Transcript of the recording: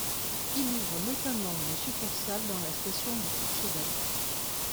Il ouvre notamment une succursale dans la station de Courchevel.